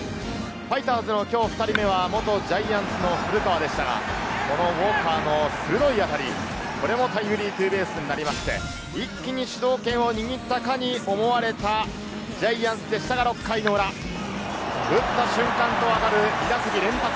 ファイターズの今日２人目は元ジャイアンツの古川でしたが、このウォーカーの鋭い当たり、これもタイムリーツーベースとなりまして、一気に主導権を握ったかに思われたジャイアンツでしたが、６回の裏、打った瞬間わかる２打席連続。